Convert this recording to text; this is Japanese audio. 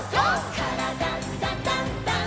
「からだダンダンダン」